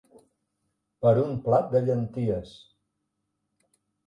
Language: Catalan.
Per un plat de llenties.